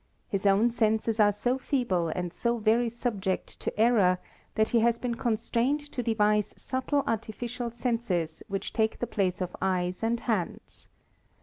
His own senses are so feeble and so very subject to error that he has been constrained to devise subtle artificial senses which take the place of eyes and hands.